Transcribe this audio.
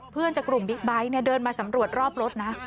จากกลุ่มบิ๊กไบท์เดินมาสำรวจรอบรถนะ